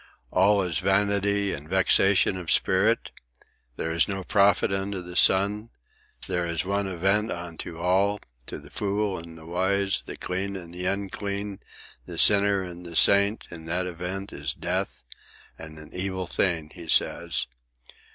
—'All is vanity and vexation of spirit,' 'There is no profit under the sun,' 'There is one event unto all,' to the fool and the wise, the clean and the unclean, the sinner and the saint, and that event is death, and an evil thing, he says.